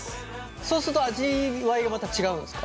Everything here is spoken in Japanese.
そうすると味わいがまた違うんですか？